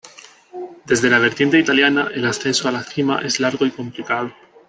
Desde la vertiente italiana el ascenso a la cima es largo y complicado.